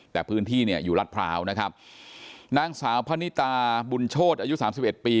แต่พื้นที่เนี่ยอยู่รัฐพร้าวนะครับนางสาวพะนิตาบุญโชธอายุสามสิบเอ็ดปี